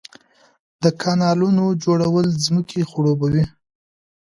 د کانالونو جوړول ځمکې خړوبوي.